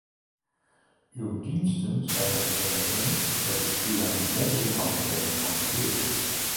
Uw diensten zijn het ermee eens dat dit via een mondeling amendement kan gebeuren.